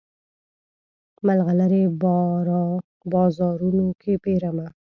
مرغلرې بازارونو کې پیرمه